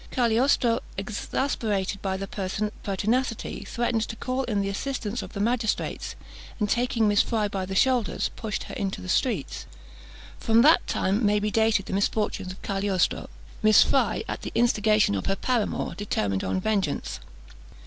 Cagliostro, exasperated at their pertinacity, threatened to call in the assistance of the magistrates, and taking Miss Fry by the shoulders, pushed her into the street. From that time may be dated the misfortunes of Cagliostro. Miss Fry, at the instigation of her paramour, determined on vengeance.